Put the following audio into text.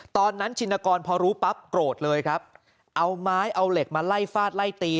ชินกรพอรู้ปั๊บโกรธเลยครับเอาไม้เอาเหล็กมาไล่ฟาดไล่ตี